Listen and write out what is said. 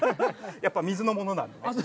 やっぱり水のものなので。